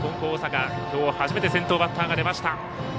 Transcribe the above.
大阪、きょう初めて先頭バッターが出ました。